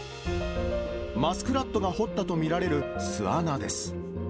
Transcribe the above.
マスクラットが掘ったと見られる巣穴です。